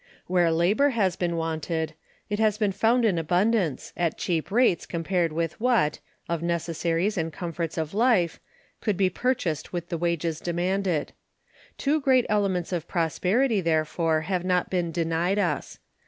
Where labor has been wanted, it has been found in abundance, at cheap rates compared with what of necessaries and comforts of life could be purchased with the wages demanded. Two great elements of prosperity, therefore, have not been denied us.